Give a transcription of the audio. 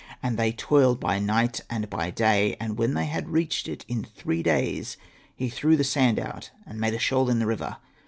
And they toiled by night and by day ; and when they had reached it in three days, he threw the sand out, and made a shoal in the river.